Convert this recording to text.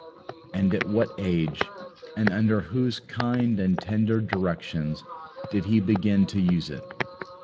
And at what age, and under whose kind and tender directions did he begin to use it?